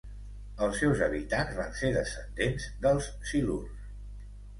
Els seus habitants van ser descendents dels silurs.